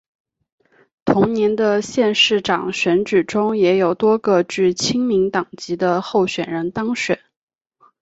同年的县市长选举中也有多个具亲民党籍的候选人当选。